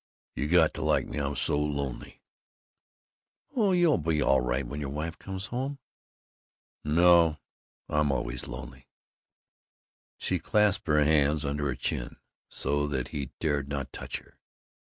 You got to like me! I'm so lonely!" "Oh, you'll be all right when your wife comes home." "No, I'm always lonely." She clasped her hands under her chin, so that he dared not touch her.